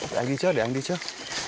để anh đi trước